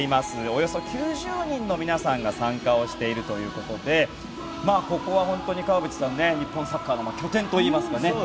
およそ９０人の皆さんが参加をしているということでここは川淵さん日本サッカーの拠点といいますか。